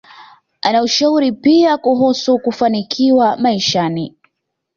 Ana ushauri pia kuhusu kufanikiwa maishani